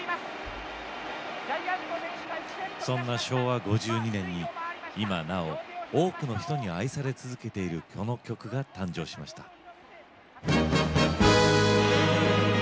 そんな昭和５２年に今なお多くの人に愛され続けているこの曲が誕生しました。